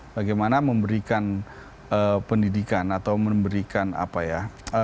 bagaimana memberikan pendidikan atau memberikan apa ya